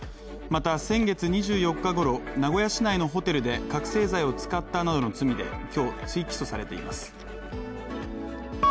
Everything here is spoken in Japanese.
また、先月２４日ごろ名古屋市内のホテルで覚醒剤を使ったなどの罪で今日、追起訴されています。